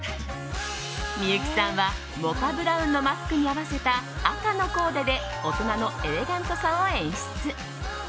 幸さんはモカブラウンのマスクに合わせた赤のコーデで大人のエレガントさを演出。